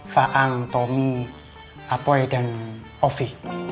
faang tommy apoe dan ovi